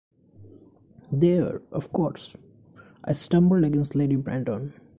There, of course, I stumbled against Lady Brandon.